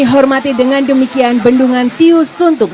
sermati dengan demikian bendungan tiusuntuk